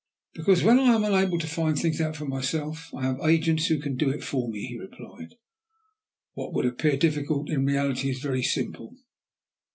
"Because, when I am unable to find things out for myself, I have agents who can do it for me," he replied. "What would appear difficult, in reality is very simple.